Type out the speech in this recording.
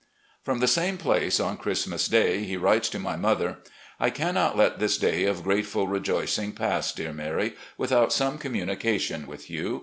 From the same place, on Christmas Day, he writes to my mother: " I cannot let this day of grateful rejoicing pass, dear Mary, without some communication with you.